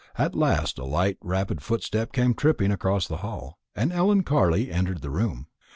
At last a light rapid footstep came tripping across the hall, and Ellen Carley entered the room.